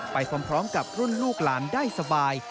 ไปพร้อมกับรุ่นลูกหลานได้สบาย